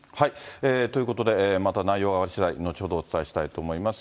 ということで、また内容が分かりしだい、後ほどお伝えしたいと思います。